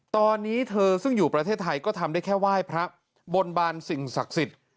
ตอนนี้เธอซึ่งอยู่ประเทศไทยก็ทำได้แค่ไหว้พระบนบานสิ่งศักดิ์สิทธิ์